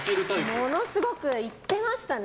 ものすごく行ってましたね。